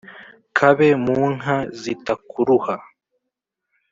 kabe mu nka zitakuruha